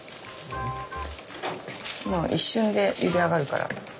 もう一瞬でゆで上がるから。